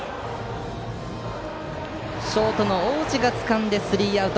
ショートの大路がつかんでスリーアウト。